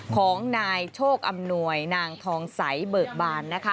ของนายโชคอำนวยนางทองสัยเบิกบาน